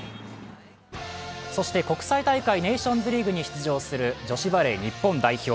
国際大会ネーションズリーグに出場する女子バレー日本代表。